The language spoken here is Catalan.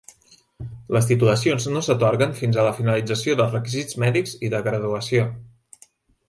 Les titulacions no s'atorguen fins a la finalització dels requisits mèdics i de graduació.